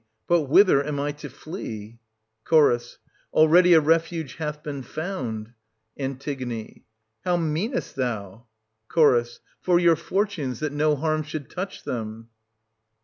But whither dsnant.i. I to flee ? Ch. Already a refuge hath been found — An. How meanest thou ?— Ch. — for your fortunes, that no harm should touch 1740 them.